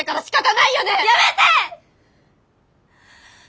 やめて！